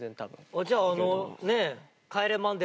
じゃああのねえ？